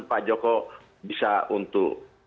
pak joko bisa untuk